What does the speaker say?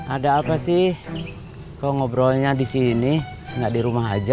ada apa sih kok ngobrolnya di sini nggak di rumah aja